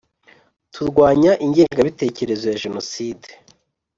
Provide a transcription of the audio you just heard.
Turwanya ingengabitekerezo ya jenoside